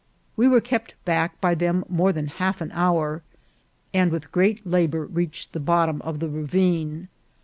We were kept back by them more than half an hour, and with great labour reached the bottom of the ravine.